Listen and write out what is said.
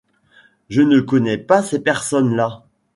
Je ne connais pas ces personnes-là.